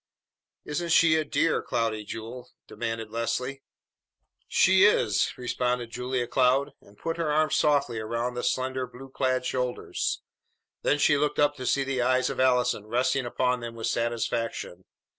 "Isn't she a dear, Cloudy Jewel?" demanded Leslie. "She is!" responded Julia Cloud, and put her arms softly around the slender blue clad shoulders. Then she looked up to see the eyes of Allison resting upon them with satisfaction.